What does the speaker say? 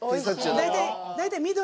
大体。